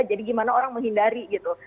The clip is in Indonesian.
jadi gimana orang menghindari gitu